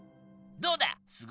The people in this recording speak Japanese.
どうだ！